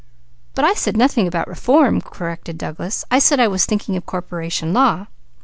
"But I said nothing about reform," corrected Douglas. "I said I was thinking of corporation law."